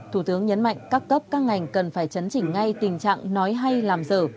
thủ tướng nhấn mạnh các cấp các ngành cần phải chấn chỉnh ngay tình trạng nói hay làm dở